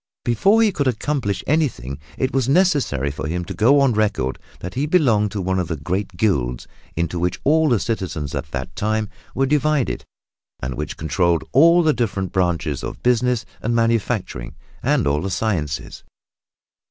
Before he could accomplish anything it was necessary for him to go on record that he belonged to one of the great guilds into which all the citizens at that time were divided, and which controlled all the different branches of business and manufacturing, and all the sciences.